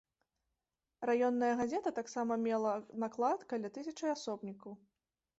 Раённая газета таксама мела наклад каля тысячы асобнікаў.